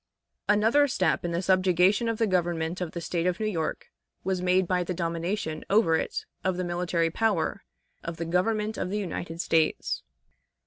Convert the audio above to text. Another step in the subjugation of the government of the State of New York was made by the domination over it of the military power of the Government of the United States.